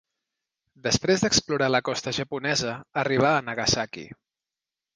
Després d'explorar la costa japonesa, arribà a Nagasaki.